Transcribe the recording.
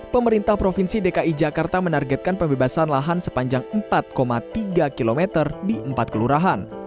pemerintah provinsi dki jakarta menargetkan pembebasan lahan sepanjang empat tiga km di empat kelurahan